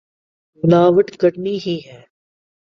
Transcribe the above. ملاوٹ کرنی ہی ہے۔